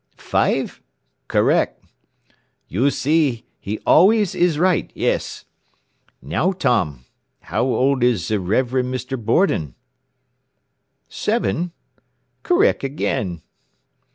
"Five? Correc'. "You see, he always is right, yes. "Now, Tom, how old is ze Rev. Mr. Borden?... Seven? Correc' again."